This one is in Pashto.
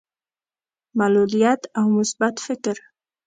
معلوليت او مثبت فکر.